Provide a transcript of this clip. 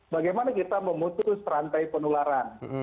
bagaimana kita memutus rantai penularan